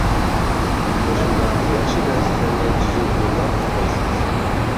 مۇشۇنداق ياخشى دەرسلىكلەرنى تۈزۈپ يوللاپ تۇرغايسىز.